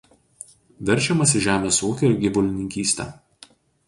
Verčiamasi žemės ūkiu ir gyvulininkyste.